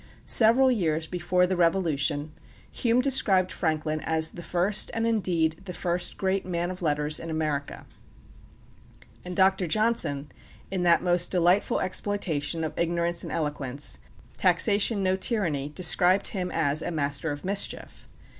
Several years before the Revolution Hume described Franklin as "The First and indeed the first great Man of Letters in America"; and Dr. Johnson, in that most delightful exploitation of ignorance and eloquence, "Taxation No Tyranny," described him as "a master of mischief."